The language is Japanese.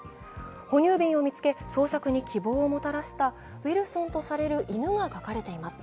哺乳瓶を見つけ捜索に希望をもたらしたウィルソンとされる犬が描かれています。